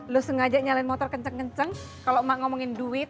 lo sengaja nyalain motor kenceng kenceng kalau ngomongin duit